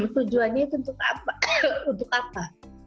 tujuannya itu untuk apa